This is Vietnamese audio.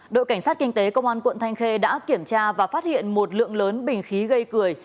đội cảnh sát kinh tế công an quận thanh khê đã kiểm tra và phát hiện một lượng lớn bình khí gây cười